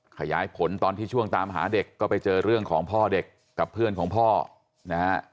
ขยายผลตอนที่ช่วงตามหาเด็กก็ไปเจอเรื่องของพ่อเด็กกับเพื่อนของพ่อนะฮะ